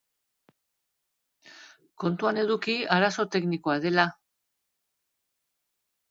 Kontuan eduki arazo teknikoa dela.